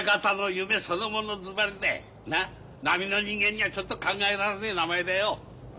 並の人間にゃちょっと考えられねえ名前だよ。